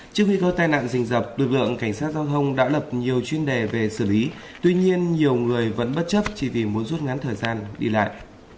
trước khi có tai nạn dình dập đội bượng cảnh sát giao thông đã lập nhiều chuyên đề về xử lý tuy nhiên nhiều người vẫn bất chấp chỉ vì muốn rút ngắn thời gian đi lại